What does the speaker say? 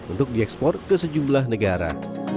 untuk diekspor ke sejumlah negara